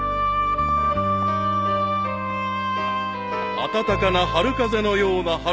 ［暖かな春風のような春香さん］